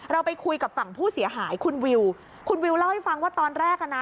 เราไปคุยกับฝั่งผู้เสียหายคุณวิวคุณวิวเล่าให้ฟังว่าตอนแรกอ่ะนะ